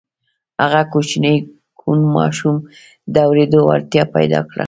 هغه کوچني کوڼ ماشوم د اورېدو وړتیا پیدا کړه